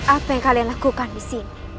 apa yang kalian lakukan disini